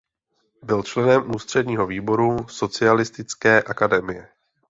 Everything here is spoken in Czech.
Byl členem Ústředního výboru Socialistické akademie.